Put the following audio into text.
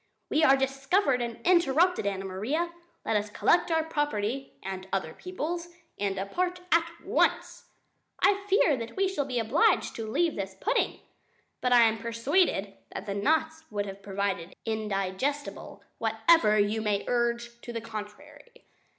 "We are discovered and interrupted, Anna Maria; let us collect our property and other people's and depart at once. "I fear that we shall be obliged to leave this pudding. "But I am persuaded that the knots would have proved indigestible, whatever you may urge to the contrary."